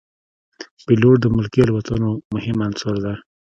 پیلوټ د ملکي الوتنو مهم عنصر دی.